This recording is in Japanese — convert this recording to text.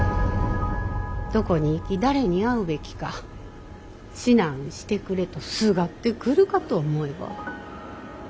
どこに行き誰に会うべきか指南してくれとすがってくるかと思えば。